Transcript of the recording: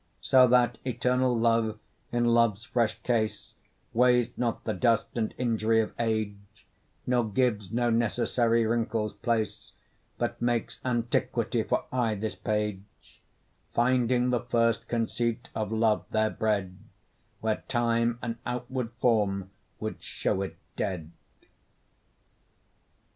So that eternal love in love's fresh case, Weighs not the dust and injury of age, Nor gives to necessary wrinkles place, But makes antiquity for aye his page; Finding the first conceit of love there bred, Where time and outward form would show it dead.